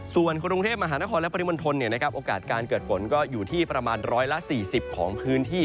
ส่วนกรุงเทพมหานครและปริมณฑลโอกาสการเกิดฝนก็อยู่ที่ประมาณ๑๔๐ของพื้นที่